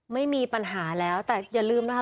ไม่มีปัญหาแล้วแต่อย่าลืมนะคะ